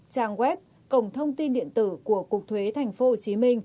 trang web cổng thông tin điện tử của cục thuế tp hcm